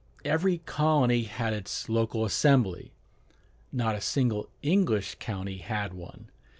Every colony had its local assembly: not a single English county had one.